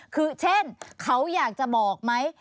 คือเช่นเขาอยากจะบอกไหม